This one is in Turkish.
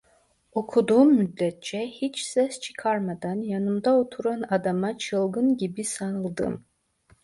Okuduğum müddetçe hiç ses çıkarmadan yanımda oturan adama çılgın gibi sanldım: